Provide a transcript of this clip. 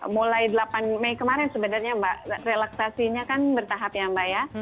mulai delapan mei kemarin sebenarnya mbak relaksasinya kan bertahap ya mbak ya